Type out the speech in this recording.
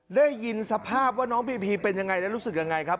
ได้ยินสภาพว่าน้องพีพีเป็นยังไงและรู้สึกยังไงครับ